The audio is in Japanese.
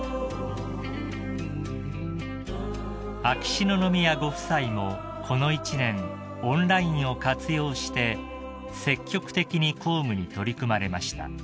［秋篠宮ご夫妻もこの一年オンラインを活用して積極的に公務に取り組まれました］